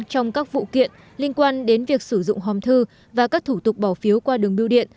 trong các vụ kiện liên quan đến việc sử dụng hòm thư và các thủ tục bỏ phiếu qua đường biêu điện